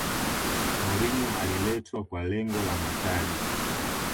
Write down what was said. mourinho aliletwa kwa lengo la mataji